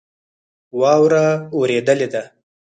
واوره اوریدلی ده